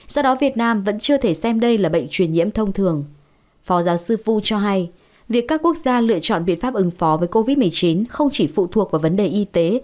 giáo sư vu cho hay việc các quốc gia lựa chọn biện pháp ứng phó với covid một mươi chín không chỉ phụ thuộc vào vấn đề y tế